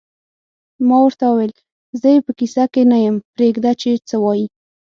ما ورته وویل: زه یې په کیسه کې نه یم، پرېږده چې څه وایې.